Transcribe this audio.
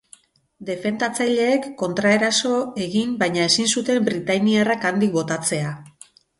Defendatzaileek kontraeraso egin baina ezin zuten britainiarrak handik botatzea.